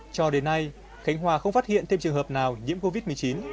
cho đến nay khánh hòa không phát hiện thêm trường hợp nào nhiễm covid một mươi chín